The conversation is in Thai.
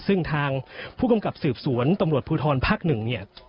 ซึ่งทางผู้กำกับสืบสวนตำรวจภูทรภักดิ์๑